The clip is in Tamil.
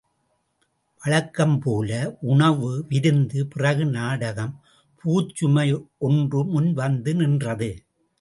வழக்கம் போல உணவு, விருந்து, பிறகு நாடகம் பூச்சுமை ஒன்று முன் வந்து நின்றது.